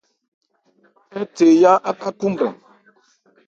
Ɛ́ the yá áka khúúnbrɛn.